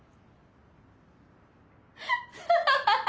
ハハハハ！